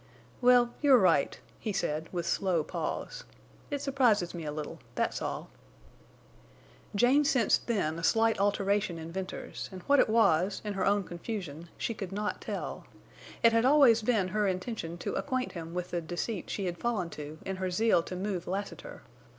"Well—you're right," he said, with slow pause. "It surprises me a little, that's all." Jane sensed then a slight alteration in Venters, and what it was, in her own confusion, she could not tell. It had always been her intention to acquaint him with the deceit she had fallen to in her zeal to move Lassiter.